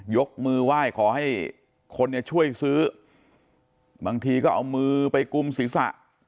ยกมือไหว้ขอให้คนเนี่ยช่วยซื้อบางทีก็เอามือไปกุมศีรษะ